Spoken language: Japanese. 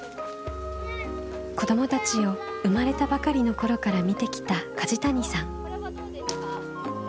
子どもたちを生まれたばかりの頃から見てきた楫谷さん。